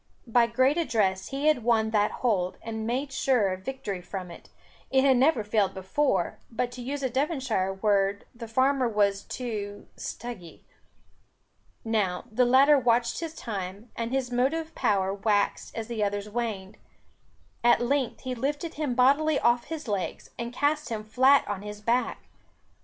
By great address he had won that hold, and made sure of victory from it, it had never failed before; but to use a Devonshire word, the farmer was too "stuggy." Now, the latter watched his time, and his motive power waxed as the other's waned. At length he lifted him bodily off his legs, and cast him flat on his back.